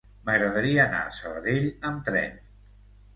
M'agradaria anar a Sabadell amb tren.